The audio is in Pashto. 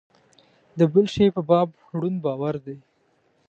د بل شي په باب ړوند باور دی.